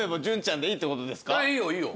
いいよいいよ。